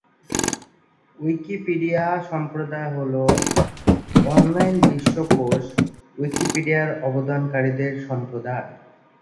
Wikipedia সম্প্রদায় হল online বিশ্বকোষ উইকিপিডিয়ার অবদানকারীদের সম্প্রদায়।